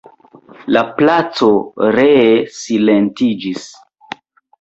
La placo ree silentiĝis.